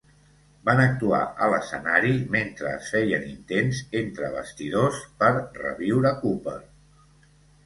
Van actuar a l'escenari mentre es feien intents, entre bastidors, per reviure Cooper.